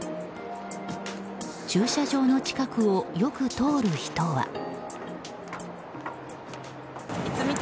駐車場の近くをよく通る人は。